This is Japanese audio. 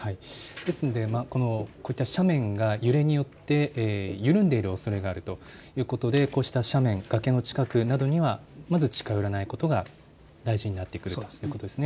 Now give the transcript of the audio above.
ですので、こういった斜面が揺れによって緩んでいるおそれがあるということでこうした斜面、崖の近くなどには、まず近寄らないことが大事になってくるということですね。